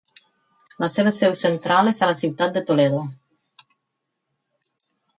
La seva seu central és a la ciutat de Toledo.